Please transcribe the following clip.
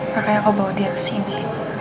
makanya aku bawa dia kesini